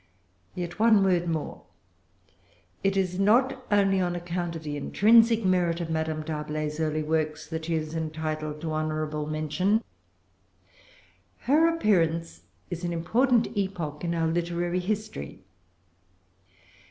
Yet one word more. It is not only on account of the intrinsic merit of Madame D'Arblay's early works that she is entitled to honorable mention. Her appearance is an important epoch in our literary history.